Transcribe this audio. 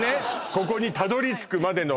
ここにたどり着くまでの